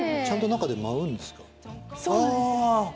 ちゃんと中で舞うんですかあぁ。